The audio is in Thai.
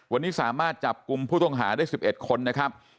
วันนี้สามารถจับกลุ่มผู้ต้องหาได้๑๑คนนะครับ